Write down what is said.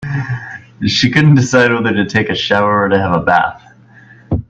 She couldn't decide whether to take a shower or to have a bath.